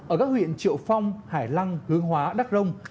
ở các huyện triệu phong hải lăng hương hóa đắk rông